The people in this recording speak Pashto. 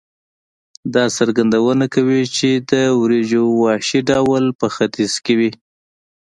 دا څرګندونه کوي چې د وریجو وحشي ډول په ختیځ کې وې.